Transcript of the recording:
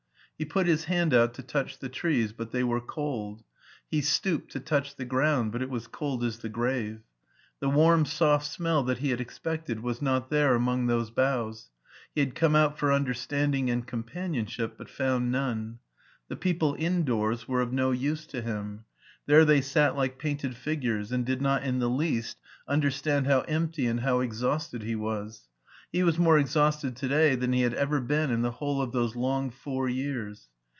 He put his hand out to touch the trees, but they were cold ; he stooped to touch the ground, but it was cold as the grave. The warm soft smell that he had expected was not there among those boughs. He had come out for understanding and companionship but found none. The peofde indoors were of no use to him. There they sat like painted figures, and did not in the least understand how empty and how exhausted he was. He was more exhausted to day than he had ever been in the whole of those long four years.